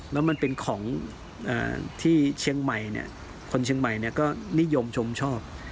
แล้วมันเป็นของที่เชียงใหม่คนเชียงใหม่ก็นิยมชมชอบ